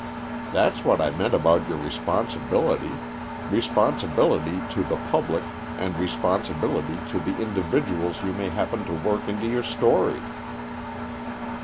"That's what I meant about your responsibility, responsibility to the public and responsibility to the individuals you may happen to work into your story."